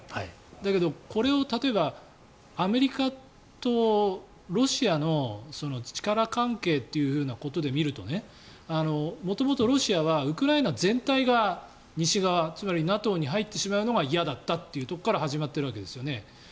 だけどこれを例えばアメリカとロシアの力関係ということで見ると元々、ロシアはウクライナ全体が西側つまりＮＡＴＯに入ってしまうのが嫌だったというところから始まっているわけですよね。